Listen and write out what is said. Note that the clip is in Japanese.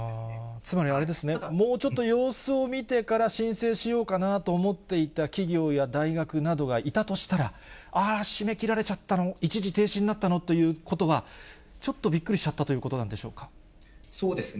つまりあれですね、もうちょっと様子を見てから申請しようかなと思っていた企業や大学などがいたとしたら、あら、締め切られちゃったの、一時停止になったのということは、ちょっと、びっくりしちゃったとそうですね。